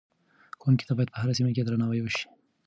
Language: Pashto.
ښوونکو ته باید په هره سیمه کې درناوی وشي.